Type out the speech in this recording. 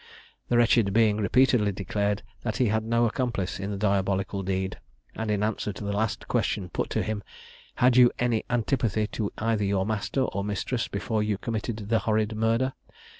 The wretched being repeatedly declared that he had no accomplice in the diabolical deed; and in answer to the last question put to him, "Had you any antipathy to either your master or mistress before you committed the horrid murder?"